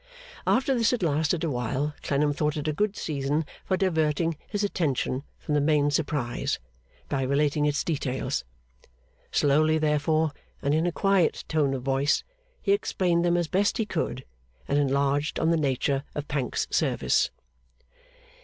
After this had lasted a while Clennam thought it a good season for diverting his attention from the main surprise, by relating its details. Slowly, therefore, and in a quiet tone of voice, he explained them as best he could, and enlarged on the nature of Pancks's service.